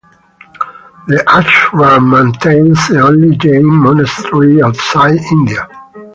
The ashram maintains the only Jain monastery outside India.